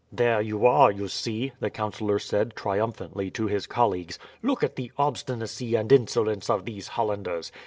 "There you are, you see," the councillor said triumphantly to his colleagues. "Look at the obstinacy and insolence of these Hollanders.